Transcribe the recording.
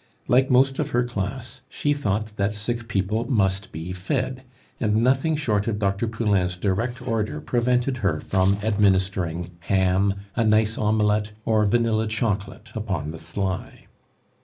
Like most of her class, she thought that sick people must be fed, and nothing short of Dr. Poulain's direct order prevented her from administering ham, a nice omelette, or vanilla chocolate upon the sly.